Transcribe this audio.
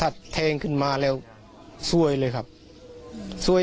ครับยิงสวนเลย